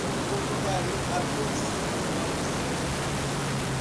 Voltou dali a duas semanas